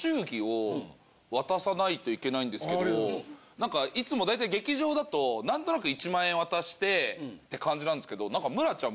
なんかいつも大体劇場だとなんとなく１万円渡してって感じなんですけど村ちゃん